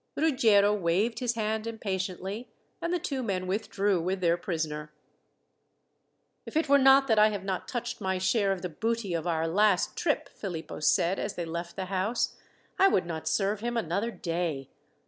Ruggiero waved his hand impatiently, and the two men withdrew with their prisoner. "If it were not that I have not touched my share of the booty of our last trip," Philippo said as they left the house, "I would not serve him another day.